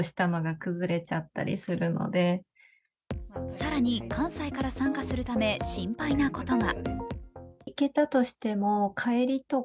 更に関西から参加するため心配なことが。